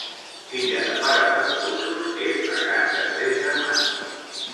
Filla de pares andalusos, és la gran de tres germans.